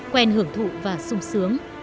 quen hưởng thụ và sung sướng